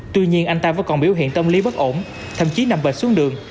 tuy nhiên anh ta vẫn còn biểu hiện tâm lý bất ổn thậm chí nằm gệt xuống đường